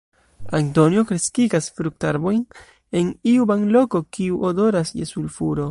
Antonio kreskigas fruktarbojn en iu banloko kiu odoras je sulfuro.